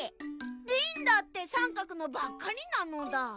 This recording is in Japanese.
リンだってさんかくのばっかりなのだ。